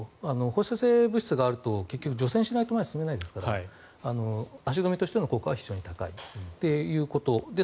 放射性物質があると結局除染しないと前に進めませんから足止めとしての効果は非常に高いということ。